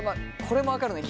これも分かるね